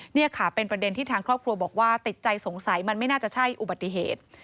นี่ค่ะเป็นประเด็นที่ทางครอบครัวบอกว่าติดใจสงสัยมันไม่น่าจะใช่อุบัติเหตุ